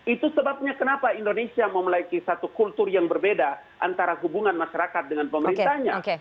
itu sebabnya kenapa indonesia memiliki satu kultur yang berbeda antara hubungan masyarakat dengan pemerintahnya